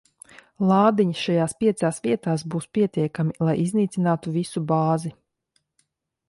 Lādiņi šajās piecās vietās būs pietiekami, lai iznīcinātu visu bāzi.